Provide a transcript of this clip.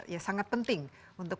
ya sangat penting untuk